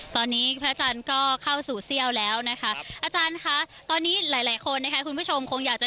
ตอนนี้พระอาจารย์ก็เข้าสู่เสี่ยวแล้วอาจารย์เราตอนนี้คุณผู้ชมแหล่งพวกคุณผู้ชมคงอยากจะ